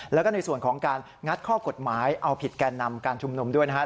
แล้วก็ในส่วนของการงัดข้อกฎหมายเอาผิดแก่นำการชุมนุมด้วยนะครับ